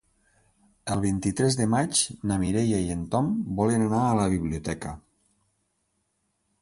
El vint-i-tres de maig na Mireia i en Tom volen anar a la biblioteca.